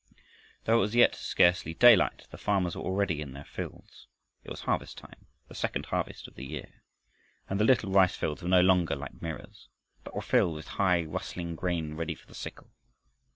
Though it was yet scarcely daylight, the farmers were already in their fields. It was harvest time the second harvest of the year and the little rice fields were no longer like mirrors, but were filled with high rustling grain ready for the sickle.